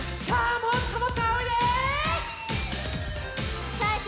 もっともっとあおいで！